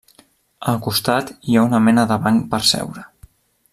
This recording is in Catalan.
Al costat hi ha una mena de banc per seure.